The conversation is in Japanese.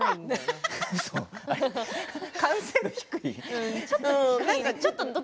完成度が低い。